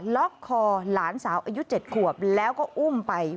ล็อกคอหลานสาวอายุ๗ขวบแล้วก็อุ้มไป